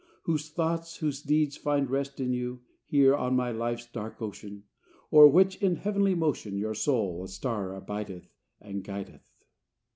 Whose thoughts, whose deeds find rest in you Here on my life's dark ocean, O'er which, in heavenly motion, Your soul, a star, abideth, And guideth.